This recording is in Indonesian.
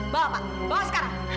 bawa pak bawa sekarang